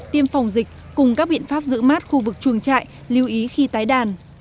tiêm phòng dịch cùng các biện pháp giữ mát khu vực chuồng trại lưu ý khi tái đàn